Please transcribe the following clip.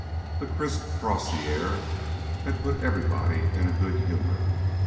The crisp frosty air had put everybody in a good humor.